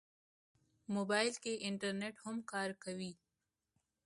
موبایل کې انټرنیټ هم کار کوي.